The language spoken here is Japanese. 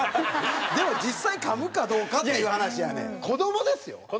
でも実際かむかどうかっていう話やねん。子どもですよ。